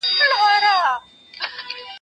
زه له سهاره د سبا لپاره د ژبي تمرين کوم!؟